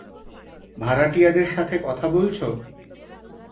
ভাড়াটিয়াদের সাথে কথা বলছো?